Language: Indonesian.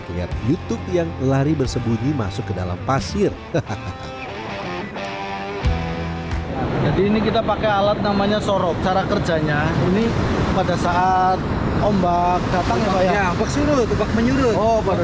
lihat jutuk yang lari bersembunyi masuk ke dalam pasir dan benar saja saat sorok dijalankan lihat jutuk yang lari bersembunyi masuk ke dalam pasir